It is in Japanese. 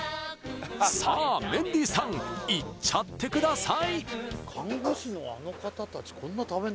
さあメンディーさんいっちゃってください！